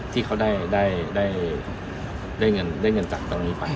ที่เขาได้เงินจากตรงนี้ไป